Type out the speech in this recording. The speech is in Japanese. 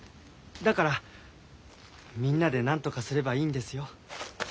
だからみんなでなんとかすればいいんですよ。